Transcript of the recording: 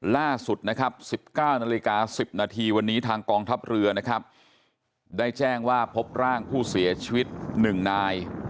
ล่าสุด๑๙นาฬิกา๑๐นาทีวันนี้ทางกองทัพเรือได้แจ้งว่าพบร่างผู้เสียชีวิตหนึ่งนาย